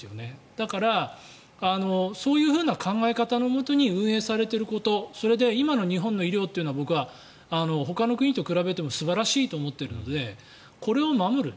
だから、そういう考え方のもとに運営されていることそれで今の日本の医療って僕はほかの国と比べても素晴らしいと思っているのでこれを守る。